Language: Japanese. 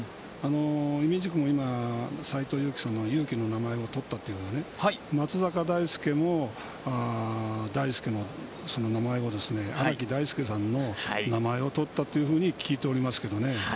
いみじくも今斎藤佑樹さんの佑樹の名前を取ったということで松坂大輔も大輔の名前を荒木大輔さんの名前を取ったというふうに聞いています。